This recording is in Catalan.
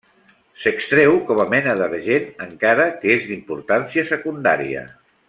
S'extreu com a mena d'argent, encara que és d'importància secundària.